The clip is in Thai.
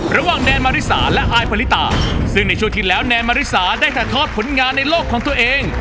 แนนมาริสาและอายปริตาซึ่งในช่วงที่แล้วแนนมาริสาได้ถ่ายทอดผลงานในโลกของตัวเอง